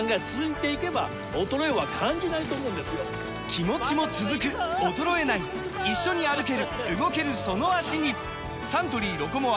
気持ちも続く衰えない一緒に歩ける動けるその脚にサントリー「ロコモア」！